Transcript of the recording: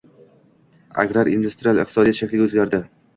Agrar-industrial iqtisodiyot shakliga oʻzgardi.